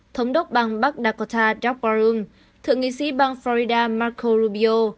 thống đốc bang bắc dakota doug barum thượng nghị sĩ bang florida marco rubio